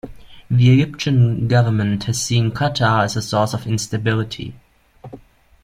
The Egyptian government has seen Qatar as a source of instability.